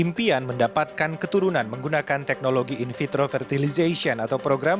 impian mendapatkan keturunan menggunakan teknologi in vitro fertilization atau program